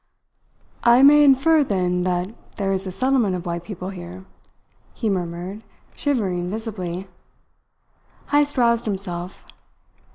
"I may infer, then, that there is a settlement of white people here?" he murmured, shivering visibly. Heyst roused himself.